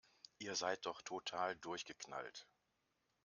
Ihr seid doch total durchgeknallt!